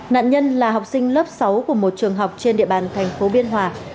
nạn nhân là học sinh lớp sáu của một trường học trên địa bàn tp biên hòa